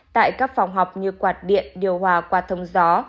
tại các phòng học như quạt điện điều hòa qua thông gió